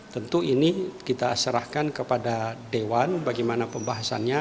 tentu ini kita serahkan kepada dewan bagaimana pembahasannya